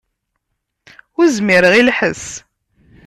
Ur zmireɣ i lḥess.